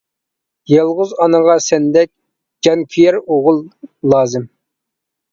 يالغۇز ئانىغا سەندەك، جان كۆيەر ئوغۇل لازىم.